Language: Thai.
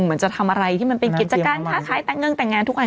เหมือนจะทำอะไรที่มันเป็นกิจการค้าขายแต่งเงินแต่งงานทุกวัน